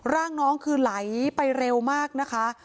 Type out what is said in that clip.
ร่างน้องคือไหลไปเร็วมากนะคะ